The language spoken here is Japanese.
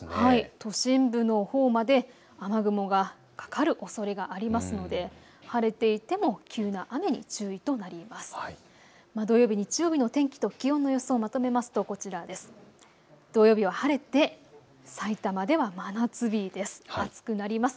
都心部のほうまで雨雲がかかるおそれがありますので晴れていても急な雨に注意となります。